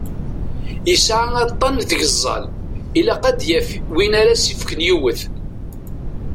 Yesɛa aṭṭan n tgeẓẓal, ilaq ad d-yaf win ara s-yefken yiwet.